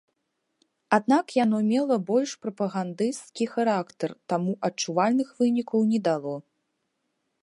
Аднак яно мела больш прапагандысцкі характар, таму адчувальных вынікаў не дало.